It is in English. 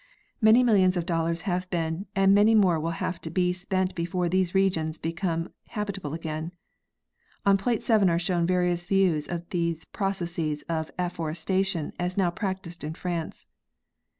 Many millions of dollars have been and many more will have to be spent before these regions become habitable again. On plate 7 are shown various views of these processes of afforestation as now practiced in France.